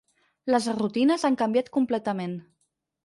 Les rutines han canviat completament.